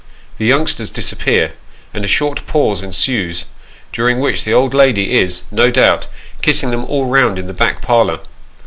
The youngsters disappear, and a short pause ensues, during which the old lady is, no doubt, kissing them all round in the back parlour.